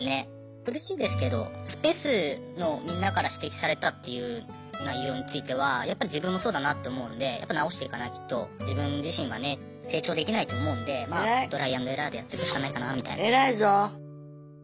苦しいですけどスペースのみんなから指摘されたっていう内容についてはやっぱり自分もそうだなって思うんでやっぱ直していかないと自分自身がね成長できないと思うんでトライアンドエラーでやってくしかないかなみたいな。偉いぞ。